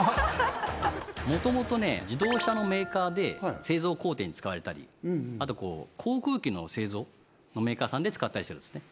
もともとね自動車のメーカーで製造工程に使われたりあと航空機の製造のメーカーさんで使ったりしてるんですね